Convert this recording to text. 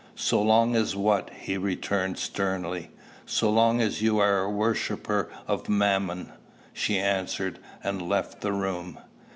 "So long as what?" he returned sternly. "So long as you are a worshipper of Mammon," she answered; and left the room.